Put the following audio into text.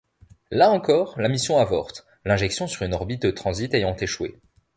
Là encore, la mission avorte, l'injection sur une orbite de transit ayant échoué.